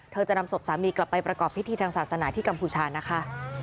จะนำศพสามีกลับไปประกอบพิธีทางศาสนาที่กัมพูชานะคะ